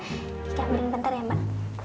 kita ambilin bentar ya mbak